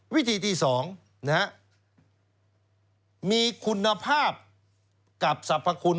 วิธีที่๒มีคุณภาพกับสรรพคุณ